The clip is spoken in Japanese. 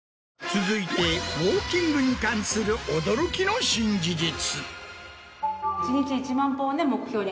続いてウォーキングに関する驚きの新事実。